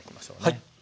はい。